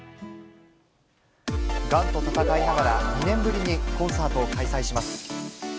がんと闘いながら、２年ぶりにコンサートを開催します。